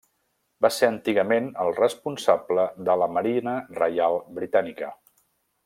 Va ser antigament el responsable de la Marina Reial Britànica.